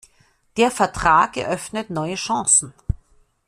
Der Vertrag eröffnet neue Chancen.